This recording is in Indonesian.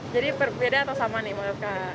jadi berbeda atau sama nih